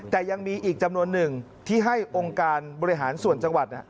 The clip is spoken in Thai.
แต่ยังมีอีกจำนวนหนึ่งที่ให้องค์การบริหารส่วนจังหวัด